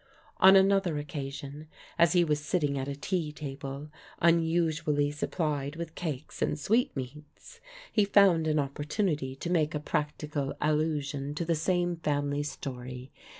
On another occasion, as he was sitting at a tea table, unusually supplied with cakes and sweetmeats, he found an opportunity to make a practical allusion to the same family story.